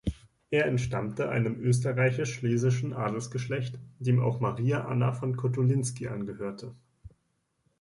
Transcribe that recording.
Er entstammte einem österreichisch-schlesischen Adelsgeschlecht, dem auch Maria Anna von Kottulinsky angehörte.